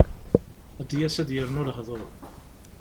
Ad d-yas ad d-yernu lehdur.